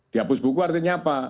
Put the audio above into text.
dihapus buku artinya apa